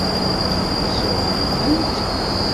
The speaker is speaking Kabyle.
Tesṛuḥem-tent?